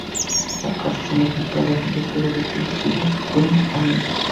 La casa es un ejemplo de arquitectura de estilo Queen Anne.